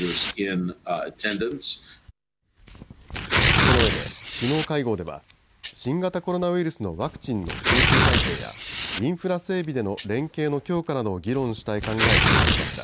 そのうえで首脳会合では新型コロナウイルスのワクチンの供給態勢やインフラ整備での連携の強化などを議論したい考えを示しました。